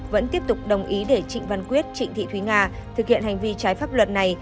vẫn tiếp tục đồng ý để trịnh văn quyết trịnh thị thúy nga thực hiện hành vi trái pháp luật này